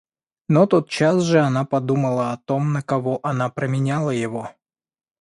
Но тотчас же она подумала о том, на кого она променяла его.